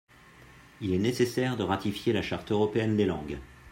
Il est nécessaire de ratifier la Charte européenne des langues.